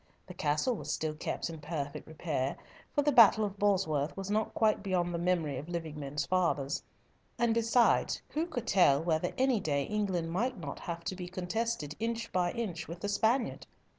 The castle was still kept in perfect repair, for the battle of Bosworth was not quite beyond the memory of living men's fathers; and besides, who could tell whether any day England might not have to be contested inch by inch with the Spaniard?